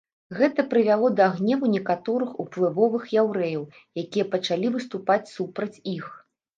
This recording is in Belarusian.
Гэта прывяло да гневу некаторых уплывовых яўрэяў, якія пачалі выступаць супраць іх.